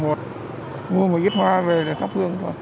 mua một ít hoa về là thắp hương thôi